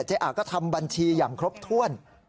ะก็ทำบัญชีอย่างครบถ้วน